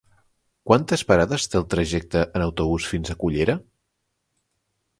Quantes parades té el trajecte en autobús fins a Cullera?